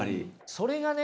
それがね